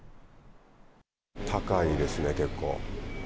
高いですね、結構。